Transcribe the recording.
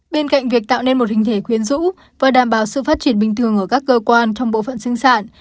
bên cạnh việc tạo nên một hình thể khuyến dũ và đảm bảo sự phát triển bình thường ở các cơ quan trong bộ phận sinh sản